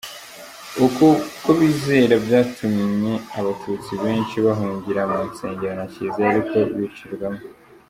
Uko kubizera byatumye abatutsi benshi bahungira mu nsengero na kiliziya, ariko bicirwamo.